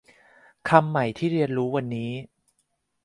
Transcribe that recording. คำใหม่ที่เรียนรู้วันนี้